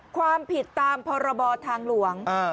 ความผิดตามพรบทางหลวง